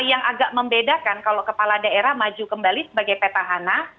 yang agak membedakan kalau kepala daerah maju kembali sebagai petahana